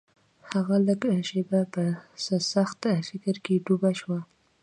هغه لږه شېبه په څه سخت فکر کې ډوبه شوه.